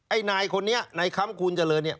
ไอ้นายคนนี้นายคำคูณเจริญเนี่ย